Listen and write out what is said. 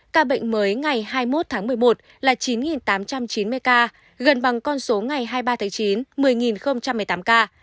ca bệnh mới ngày hai mươi một tháng một mươi một là chín tám trăm chín mươi ca gần bằng con số ngày hai mươi ba tháng chín một mươi một mươi tám ca